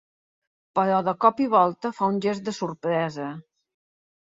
Però, de cop i volta, fa un gest de sorpresa.